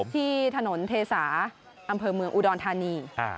ที่ถนนเทสาอำเภอเมืองอุดรธานี